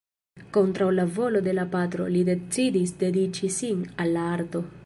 Kontraŭ la volo de la patro, li decidis dediĉi sin al la arto.